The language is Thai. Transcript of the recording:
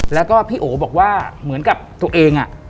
แล้วก็พี่โอบอกว่าเหมือนกับตัวเอง